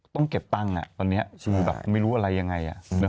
ต้องเก็บตังค์ตอนนี้คือแบบไม่รู้อะไรยังไง